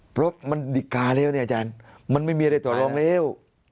เพราะมันฆิกาแล้วเนี่ยมันไม่มีอะไรตัวรองแล้ว